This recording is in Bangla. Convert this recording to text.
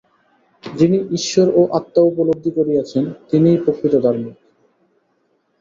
যিনি ঈশ্বর ও আত্মা উপলব্ধি করিয়াছেন, তিনিই প্রকৃত ধার্মিক।